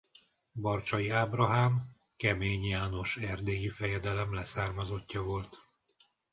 Barcsay Ábrahám Kemény János erdélyi fejedelem leszármazottja volt.